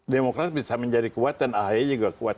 demokrat bisa menjadi kuat dan ahy juga kuat